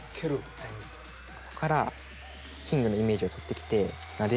ここからキングのイメージを取ってきてなでると。